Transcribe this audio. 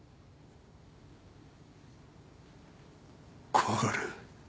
怖がる？